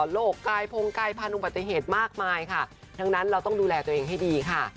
โรคกายพงกายพันธุบัติเหตุมากมายค่ะดังนั้นเราต้องดูแลตัวเองให้ดีค่ะ